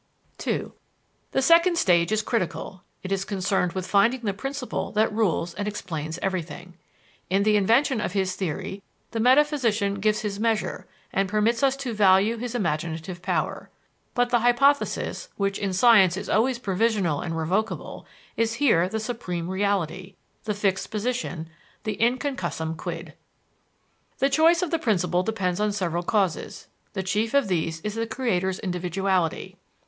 (2) The second stage is critical. It is concerned with finding the principle that rules and explains everything. In the invention of his theory the metaphysician gives his measure, and permits us to value his imaginative power. But the hypothesis, which in science is always provisional and revocable, is here the supreme reality, the fixed position, the inconcussum quid. The choice of the principle depends on several causes: The chief of these is the creator's individuality.